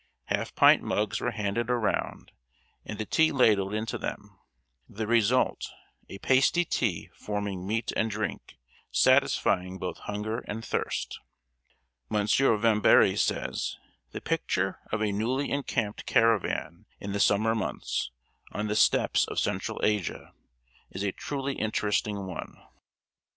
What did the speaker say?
Half pint mugs were handed around and the tea ladled into them: the result, a pasty tea forming meat and drink, satisfying both hunger and thirst. M. Vámbéry says: "The picture of a newly encamped caravan in the summer months, on the steppes of Central Asia, is a truly interesting one.